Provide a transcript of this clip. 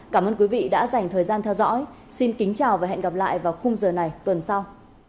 cảm ơn quý vị đã dành thời gian theo dõi xin kính chào và hẹn gặp lại vào khung giờ này tuần sau